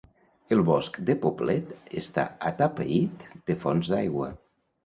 El bosc de Poblet està atapeït de fonts d'aigua.